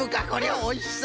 おいしそう！